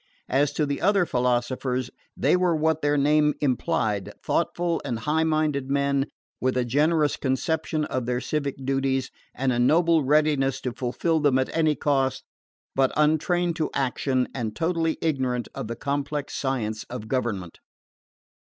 As to the other philosophers, they were what their name implied: thoughtful and high minded men, with a generous conception of their civic duties, and a noble readiness to fulfil them at any cost, but untrained to action, and totally ignorant of the complex science of government.